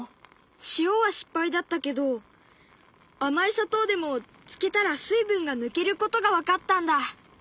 塩は失敗だったけど甘い砂糖でもつけたら水分が抜けることが分かったんだ。